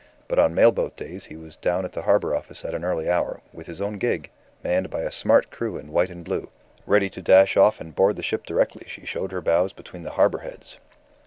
But on mail boat days he was down at the Harbour Office at an early hour, with his own gig, manned by a smart crew in white and blue, ready to dash off and board the ship directly she showed her bows between the harbour heads.